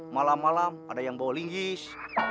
malam malam ada yang bawa linggis